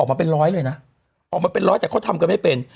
มาเป็นร้อยเลยนะออกมาเป็นร้อยแต่เขาทำกันไม่เป็น